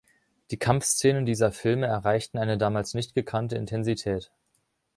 Die Kampfszenen dieser Filme erreichten eine damals nicht gekannte Intensität.